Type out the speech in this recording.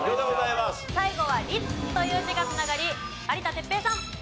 最後は「律」という字が繋がり有田哲平さん。